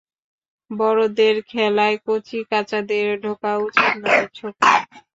বড়োদের খেলায় কচি-কাচাদের ঢোকা উচিত নয়, ছোকরা।